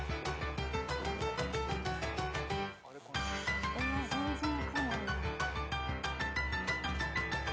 全然分かんないな。